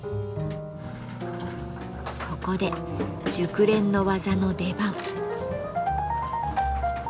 ここで熟練の技の出番。